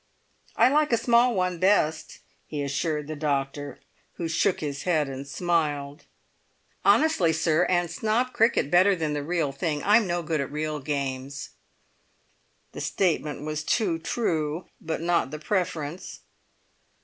"I like a small one best," he assured the doctor, who shook his head and smiled. "Honestly, sir, and snob cricket better than the real thing! I'm no good at real games." The statement was too true, but not the preference.